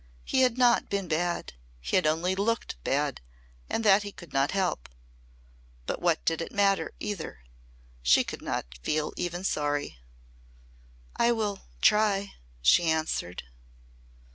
He had not been bad he had only looked bad and that he could not help. But what did that matter, either? She could not feel even sorry. "I will try," she answered.